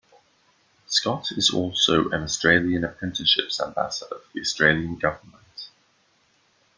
Scott is also an Australian Apprenticeships Ambassador for the Australian Government.